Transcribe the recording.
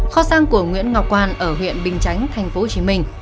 kho sàng của nguyễn ngọc quang ở huyện bình chánh tp hcm